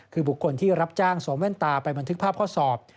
คือบุคคลที่รับจ้างสวมแว่นตาไปบันทึกภาพข้อสอบ